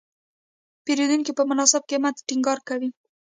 پیرودونکی په مناسب قیمت ټینګار کوي.